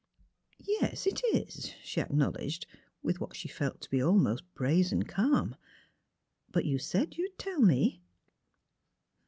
"" Yes; it is," she acknowledged, with what she felt to be almost brazen calm. " But you said you'd tell me."